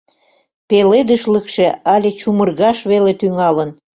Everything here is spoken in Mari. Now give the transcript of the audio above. Пеледышлыкше але чумыргаш веле тӱҥалын.